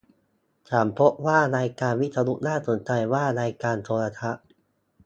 ฉันพบว่ารายการวิทยุน่าสนใจว่ารายการโทรทัศน์